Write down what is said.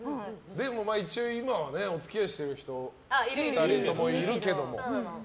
でも、一応今はお付き合いしてる人が２人ともいるけども。